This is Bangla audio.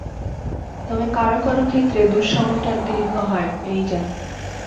তবে কারো-কারো ক্ষেত্রে দুঃসময়টা দীর্ঘ হয়, এই যা।